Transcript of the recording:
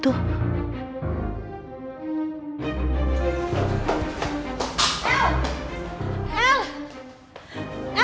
tunggu ibu el